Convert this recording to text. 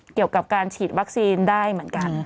เกี่ยวกับการฉีดวัคซีนได้เหมือนกัน